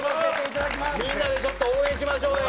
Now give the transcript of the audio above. みんなでちょっと応援しましょうよ。